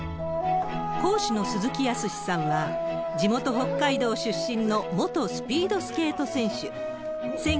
講師の鈴木靖さんは、地元、北海道出身の元スピードスケート選手。